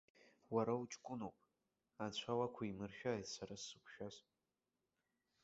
Уара уҷкәыноуп, анцәа уақәимыршәааит сара сзықәшәаз.